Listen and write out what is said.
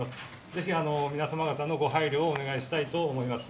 ぜひ皆様方のご配慮をお願いしたいと思います